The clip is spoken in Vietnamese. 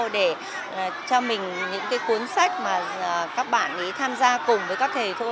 để cho mình những cuốn sách mà các bạn tham gia cùng với các thầy cô